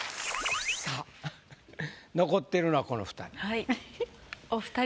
さぁ残ってるのはこの２人。